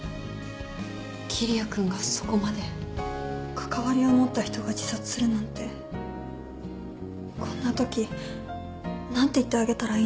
関わりを持った人が自殺するなんてこんなとき何て言ってあげたらいいのか